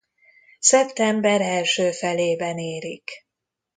Szeptember első felében érik.